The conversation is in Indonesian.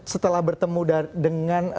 setelah bertemu dengan